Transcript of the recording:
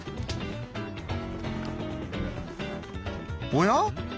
おや？